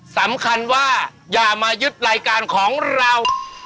สำคัญว่าอย่ามายึดรายการของเรา